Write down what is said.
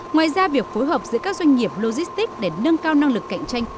ngoài ra việc phối hợp giữa các doanh nghiệp logistics để nâng cao năng lực cạnh tranh